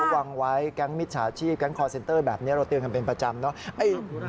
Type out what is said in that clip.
วางไว้แก๊งมิจฉาชีพแก๊งคอร์เซ็นเตอร์แบบนี้เราเตือนกันเป็นประจำเนาะ